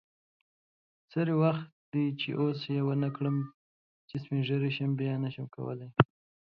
سری وخت دی چی اوس یی ونکړم چی سپین ږیری شم بیا نشم کولی